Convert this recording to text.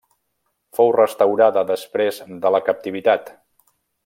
Fou restaurada després de la captivitat.